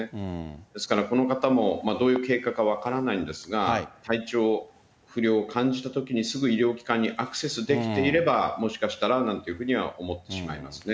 ですから、この方もどういう経過か分からないんですが、体調不良を感じたときにすぐ医療機関にアクセスできていれば、もしかしたらなんていうふうには思ってしまいますね。